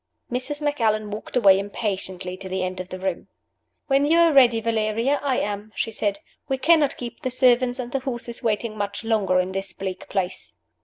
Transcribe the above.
Mrs. Macallan walked away impatiently to the end of the room. "When you are ready, Valeria, I am," she said. "We cannot keep the servants and the horses waiting much longer in this bleak place."